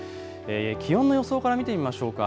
気温の予想から見てみましょうか。